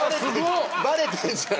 バレてんじゃん。